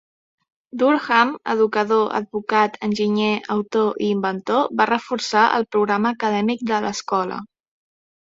Durham, educador, advocat, enginyer, autor i inventor, va reforçar el programa acadèmic de l'escola.